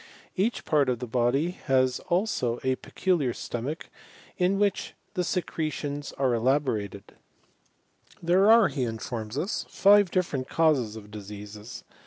Each part of the body has abo a pecu Har stomach in which the secretions are elaborate. There are, he informs us, five different causes of diseases.